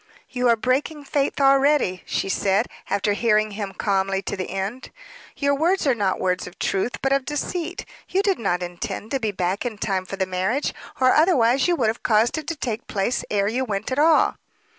"You are breaking faith already," she said, after hearing him calmly to the end. "Your words are not words of truth, but of deceit. You did not intend to be back in time for the marriage, or otherwise you would have caused it to take place ere you went at all."